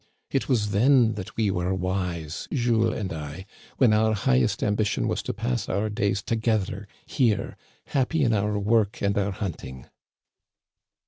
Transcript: It was then that we were wise, Jules and I, when our highest ambition was to pass our days together here, happy in our work and our hunting."